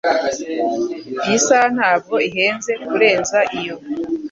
Iyi saha ntabwo ihenze kurenza iyo.